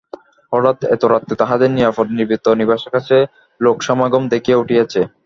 হঠাৎ এত রাত্রে তাহাদের নিরাপদ নিভৃত নিবাসের কাছে লোকসমাগম দেখিয়া উঠিয়াছে।